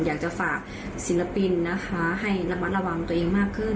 อยากจะฝากศิลปินนะคะให้ระมัดระวังตัวเองมากขึ้น